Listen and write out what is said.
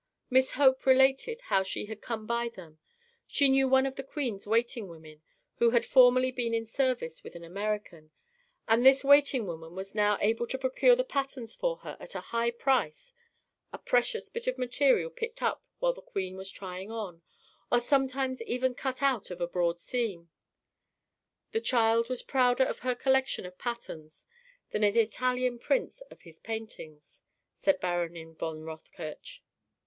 Miss Hope related how she had come by them: she knew one of the queen's waiting women, who had formerly been in service with an American; and this waiting woman was now able to procure the patterns for her at a high price: a precious bit of material picked up while the queen was trying on, or sometimes even cut out of a broad seam. The child was prouder of her collection of patterns than an Italian prince of his paintings, said Baronin von Rothkirch.